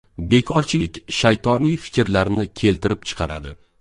• Bekorchilik shaytoniy fikrlarni keltirib chiqaradi.